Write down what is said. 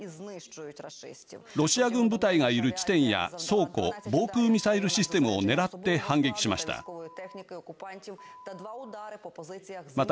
ロシア軍部隊がいる地点や倉庫防空ミサイルシステムを狙って反撃しました。